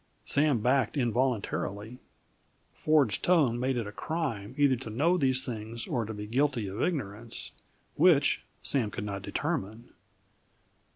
Sam backed involuntarily. Ford's tone made it a crime either to know these things or to be guilty of ignorance; which, Sam could not determine.